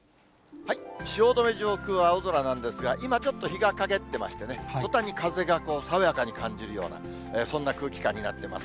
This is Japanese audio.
汐留上空は青空なんですが、今、ちょっと日がかげってましてね、とたんに風が爽やかに感じるような、そんな空気感になってます。